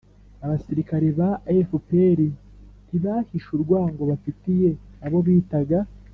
abasirikari ba fpr ntibahishe urwango bafitiye abo bitaga